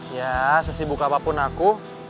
ya sesibuk apapun aku